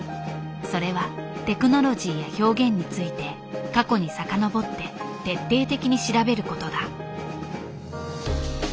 それはテクノロジーや表現について過去にさかのぼって徹底的に調べる事だ。